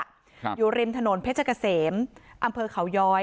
ครับอยู่ริมถนนเพชรเกษมอำเภอเขาย้อย